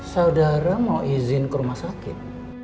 saudara mau izin ke rumah sakit